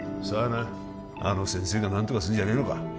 さあなあの先生が何とかすんじゃねえのか？